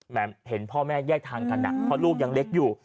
เห็นพ่อแม่แยกทางกันเพราะลูกยังเล็กอยู่